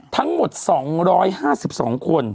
ทั้งหมด๒๕๒คน